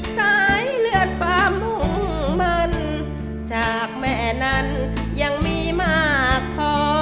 สายเลือดความมุ่งมันจากแม่นั้นยังมีมากพอ